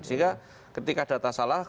sehingga ketika data salah